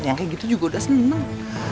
yang kayak gitu juga udah seneng